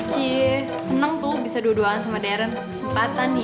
ci seneng tuh bisa dua duaan sama deren kesempatan ya